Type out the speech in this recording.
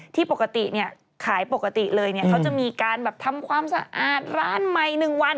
ที่ปกติเนี่ยขายปกติเลยเนี่ยเขาจะมีการแบบทำความสะอาดร้านใหม่๑วัน